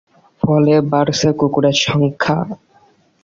ফলে বাড়ছে কুকুরের সংখ্যা।